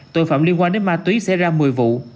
tội phạm liên quan đến ma túy xảy ra một mươi vụ